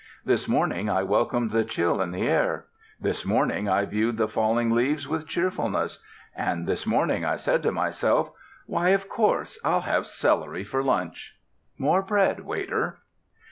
This morning I welcomed the chill in the air; this morning I viewed the falling leaves with cheerfulness; and this morning I said to myself, "Why, of course, I'll have celery for lunch." ("More bread, waiter.")